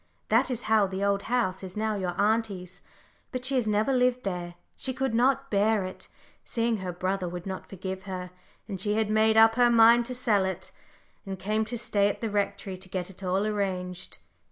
That is how the Old House is now your auntie's, but she has never lived there. She could not bear it, seeing her brother would not forgive her, and she had made up her mind to sell it, and came to stay at the Rectory to get it all arranged.